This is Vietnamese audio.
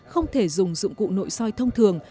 không thể dùng dụng cụ nội soi thông thường